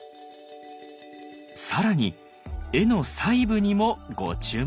更に絵の細部にもご注目。